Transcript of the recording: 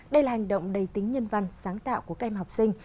đây là hành động đầy tính nhân văn sáng tạo của các em học sinh